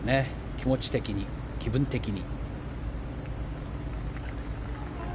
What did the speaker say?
気持ち的に、気分的に。